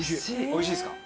おいしいですか？